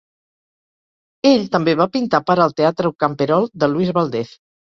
Ell també va pintar per al Teatro camperol de Luis Valdez.